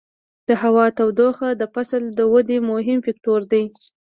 د هوا تودوخه د فصل د ودې مهم فکتور دی.